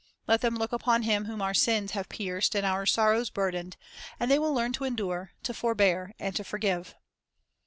Let them look upon Him whom our sins have pierced and our sorrows burdened, and the}' will learn to endure, to forbear, and to forgive.